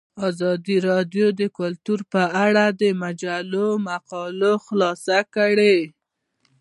ازادي راډیو د کلتور په اړه د مجلو مقالو خلاصه کړې.